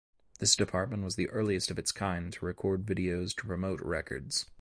This department was the earliest of its kind to record videos to promote records.